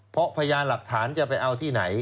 เพราะพยานหลักฐานจะไปเอาที่ไหน